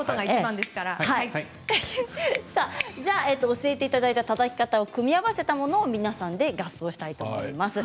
教えていただいたたたき方を組み合わせたもので皆さんで合奏したいと思います。